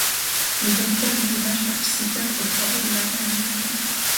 Les habitants du village participèrent aux travaux de l'armée américaine.